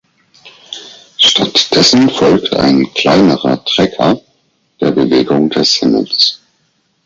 Stattdessen folgt ein kleinerer ‚Tracker‘ der Bewegung des Himmels.